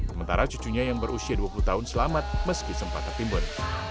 sementara cucunya yang berusia dua puluh tahun selamat meski sempat tertimbun